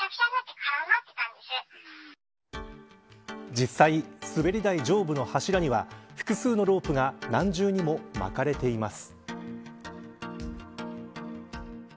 実際、滑り台上部の柱には複数のロープが何重にも巻かれています。